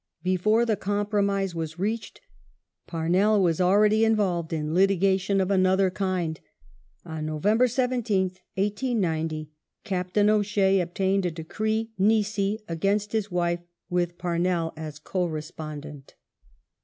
Before the compromise was reached Parnell was already involved in litigation of another kind. On November 17th, 1890, Captain O'Shea obtained a decree nisi against his wife, with Parnell as co respondent.